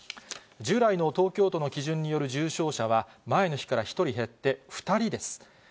従来の東京都の基準による重症者は、前の日から１人減って２人です。